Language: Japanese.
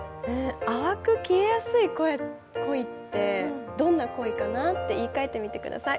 淡く消えやすい恋ってどんな恋なのか言い換えてください。